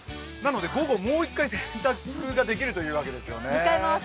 午後、もう１回洗濯ができるというわけですよね。